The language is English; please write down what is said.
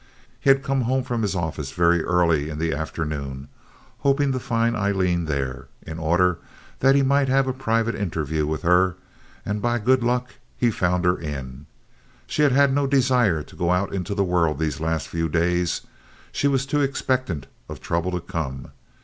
He had come home from his office very early in the afternoon, hoping to find Aileen there, in order that he might have a private interview with her, and by good luck found her in. She had had no desire to go out into the world these last few days—she was too expectant of trouble to come.